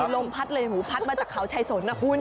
ลมพัดเลยหูพัดมาจากเขาชายสนนะคุณ